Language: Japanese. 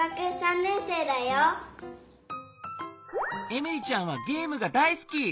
エミリちゃんはゲームが大すき！